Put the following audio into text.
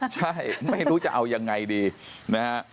ใช่ไม่รู้จะเอายังไงดีนะฮะ